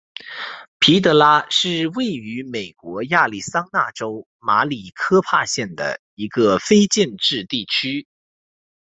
皮德拉是位于美国亚利桑那州马里科帕县的一个非建制地区。